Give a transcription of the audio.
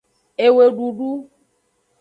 Ewedudu.